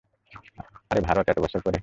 আরে ভারত, এত বছর পরে।